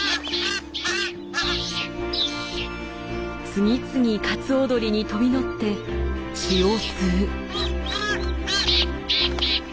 次々カツオドリに飛び乗って血を吸う。